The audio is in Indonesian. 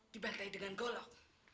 dibantai dengan golok